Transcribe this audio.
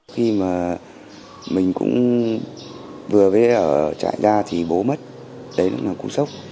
khi mà mình cũng vừa với ở trại gia thì bố mất đấy cũng là cuộc sống